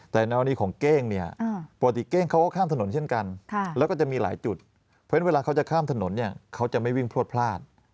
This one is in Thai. แต่ในกรณีของเก้งเนี่ยปกติเก้งเขาก็ข้ามถนนเช่นกันแล้วก็จะมีหลายจุดเพราะฉะนั้นเวลาเขาจะข้ามถนนเนี่ยเขาจะไม่วิ่งพลวดพลาด